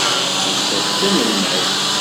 Nettat d tanelmadt.